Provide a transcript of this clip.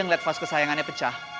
ngeliat vas kesayangannya pecah